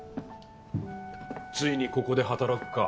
ついにここで働くか。